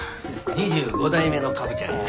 ２５代目のカブちゃんや。